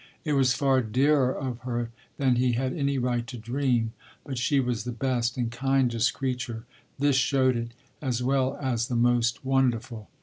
It was far "dearer" of her than he had any right to dream, but she was the best and kindest creature this showed it as well as the most wonderful.